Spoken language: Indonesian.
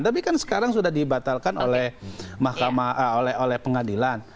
tapi kan sekarang sudah dibatalkan oleh pengadilan